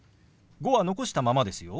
「５」は残したままですよ。